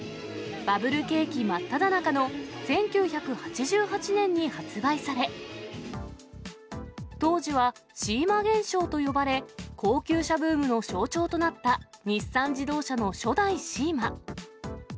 バブル景気真っただ中の１９８８年に発売され、当時はシーマ現象と呼ばれ、高級車ブームの象徴となった日産自動車の初代シーマ。